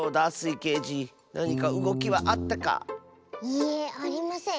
いいえありません。